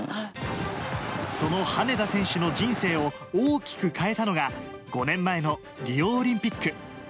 その羽根田選手の人生を大きく変えたのが、５年前のリオオリンピック。